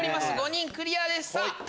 ５人クリアです。